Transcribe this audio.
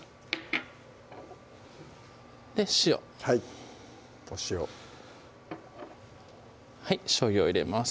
塩はいお塩しょうゆを入れます